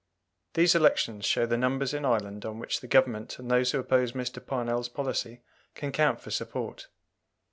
These elections show the numbers in Ireland on which the Government and those who oppose Mr. Parnell's policy can count for support.